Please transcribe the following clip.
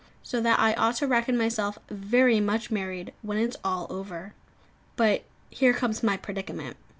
So that I ought to reckon myself very much married, when it's all over. But here comes my predicament.